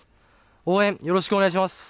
応援よろしくお願いします。